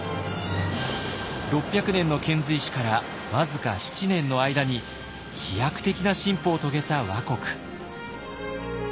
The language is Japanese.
６００年の遣隋使から僅か７年の間に飛躍的な進歩を遂げた倭国。